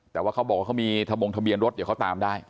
แต่ว่าเขาบอกว่าเขามีทะบงทะเบียนรถเดี๋ยวเขาตามได้